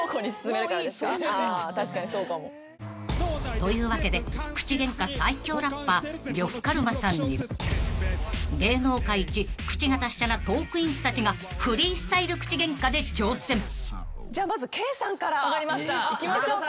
［というわけで口ゲンカ最強ラッパー呂布カルマさんに芸能界一口が達者なトークィーンズたちがフリースタイル口ゲンカで挑戦］いきましょうか。